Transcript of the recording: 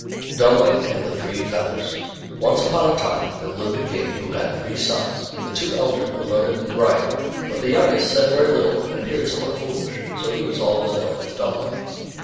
DUMMLING AND THE THREE FEATHERS Once upon a time there lived a King who had three sons; the two elder were learned and bright, but the youngest said very little and appeared somewhat foolish, so he was always known as Dummling.